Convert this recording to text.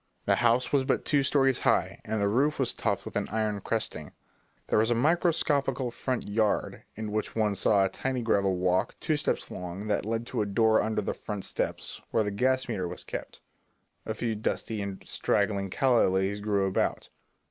The house was but two stories high, and the roof was topped with an iron cresting. There was a microscopical front yard in which one saw a tiny gravel walk, two steps long, that led to a door under the front steps, where the gas meter was kept. A few dusty and straggling calla lilies grew about.